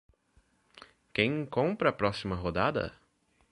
Quem compra a próxima rodada?